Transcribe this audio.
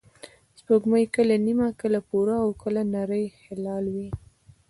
سپوږمۍ کله نیمه، کله پوره، او کله نری هلال وي